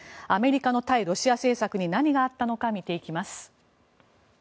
アメリカの対ロシア政策に何があったのか見ていきます。